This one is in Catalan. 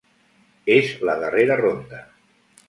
És la darrera ronda.